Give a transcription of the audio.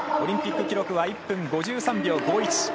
オリンピック記録は１分５３秒５１。